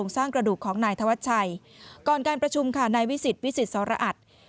ต้องกระดูกของนายธวัดชัยก่อนการประชุมค่ะในฮิสิตฟิษศาวรหัส